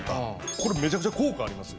これめちゃくちゃ効果あります。